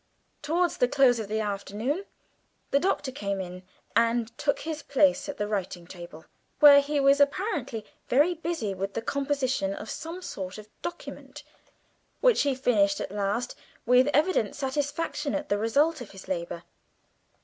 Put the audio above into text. Towards the close of the afternoon the Doctor came in and took his place at the writing table, where he was apparently very busy with the composition of some sort of document, which he finished at last with evident satisfaction at the result of his labour.